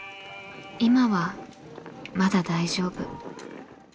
今はまだ大丈夫。